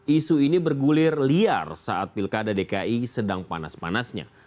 isu ini bergulir liar saat pilkada dki sedang panas panasnya